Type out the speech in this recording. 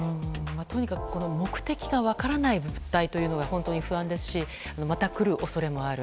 とにかく目的が分からない物体というのが本当に不安ですしまた来る恐れもある。